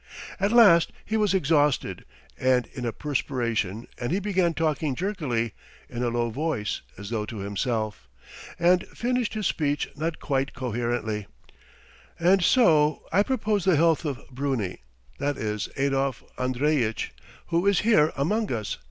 At last he was exhausted and in a perspiration and he began talking jerkily, in a low voice as though to himself, and finished his speech not quite coherently: "And so I propose the health of Bruni, that is Adolf Andreyitch, who is here, among us